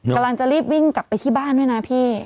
กำลังจะรีบวิ่งกลับไปที่บ้านด้วยนะพี่